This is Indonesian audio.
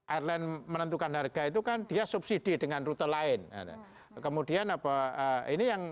adel menentukan harga itu kan dia subsidi dengan rute lain ada kemudian apa apa